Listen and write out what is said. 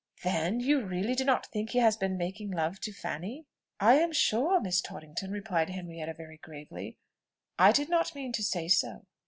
"Then you really do not think he has been making love to Fanny?" "I am sure, Miss Torrington," replied Henrietta very gravely, "I did not mean to say so."